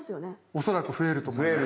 おそらく増えると思いますね。